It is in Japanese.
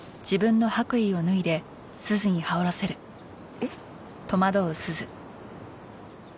えっ？